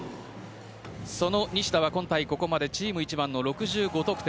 その西田は、今回ここまでチーム一番の６５得点。